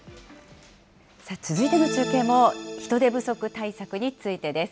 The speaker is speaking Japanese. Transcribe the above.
続いての中継も人手不足対策についてです。